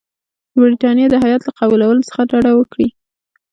د برټانیې د هیات له قبولولو څخه ډډه وکړه.